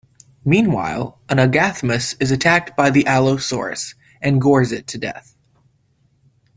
Meanwhile, an "Agathaumas" is attacked by the "Allosaurus", and gores it to death.